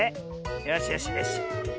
よしよしよしよし。